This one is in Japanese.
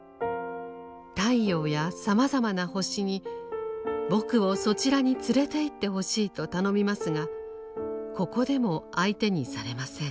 太陽やさまざまな星に「僕をそちらに連れて行ってほしい」と頼みますがここでも相手にされません。